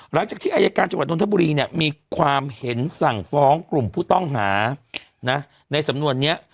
หลักจากที่ในสำนวนนี้